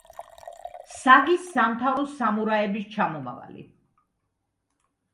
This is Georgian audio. საგის სამთავროს სამურაების ჩამომავალი.